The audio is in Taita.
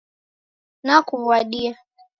Nakuwadia